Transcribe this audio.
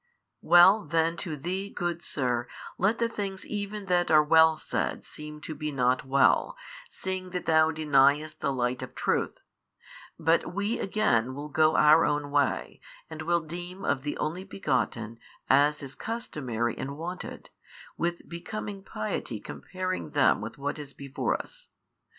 Well then to thee, good sir, let the things even that are well said seem to be not well, seeing that thou deniedst the light of truth: but WE again will go our own way, and will deem of the Only Begotten as is customary and wonted, with becoming piety comparing them with what is before us.